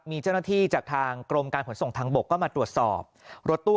มีเจ้าหน้าที่จากทางกรมการขนส่งทางบกก็มาตรวจสอบรถตู้